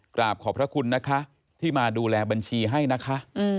กราบขอบพระคุณนะคะที่มาดูแลบัญชีให้นะคะ